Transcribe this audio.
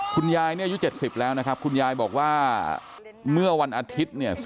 คุณยายเนี่ยอายุ๗๐แล้วนะครับคุณยายบอกว่าเมื่อวันอาทิตย์เนี่ย